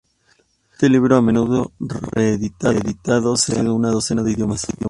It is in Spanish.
Este libro, a menudo reeditado, se ha traducido a una docena de idiomas.